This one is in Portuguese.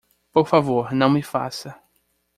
Por favor não me faça.